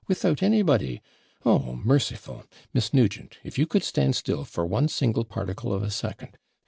without anybody. Oh, merciful! Miss Nugent, if you could stand still for one single particle of a second.